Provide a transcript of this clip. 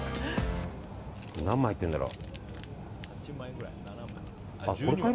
何枚入ってるんだろ。